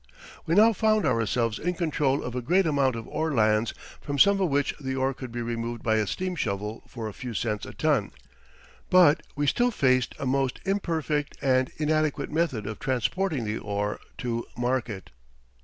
We now found ourselves in control of a great amount of ore lands, from some of which the ore could be removed by a steam shovel for a few cents a ton, but we still faced a most imperfect and inadequate method of transporting the ore to market.